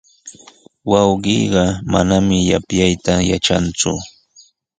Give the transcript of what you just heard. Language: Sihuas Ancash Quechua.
Wawqiiqa manami yapyayta yatranku.